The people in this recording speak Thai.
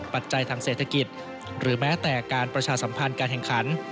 ปัจจัยทางเศรษฐกิจหรือแม้แต่การประชาสัมพันธ์การแข่งขัน